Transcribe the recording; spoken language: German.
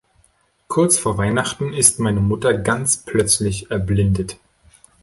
Kurz vor Weihnachten ist meine Mutter ganz plötzlich erblindet.